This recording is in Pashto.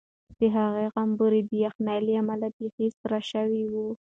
د هغې غومبوري د یخنۍ له امله بیخي سره شوي وو.